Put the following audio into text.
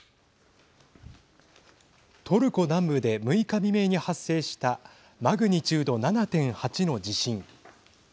トルコ南部で６日未明に発生したマグニチュード７．８の地震。